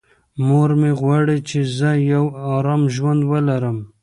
مور مې غواړي چې زه یو ارام ژوند ولرم.